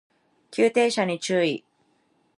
急停車に注意